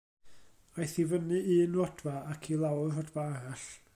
Aeth i fyny un rodfa ac i lawr rhodfa arall.